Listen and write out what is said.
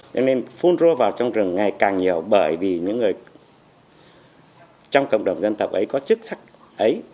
cho nên phun rô vào trong rừng ngày càng nhiều bởi vì những người trong cộng đồng dân tộc ấy có chức sắc ấy